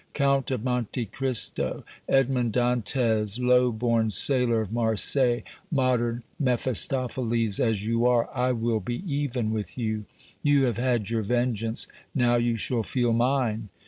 Count of Monte Cristo, Edmond Dantès, low born sailor of Marseilles, modern Mephistopheles as you are, I will be even with you! You have had your vengeance; now you shall feel mine!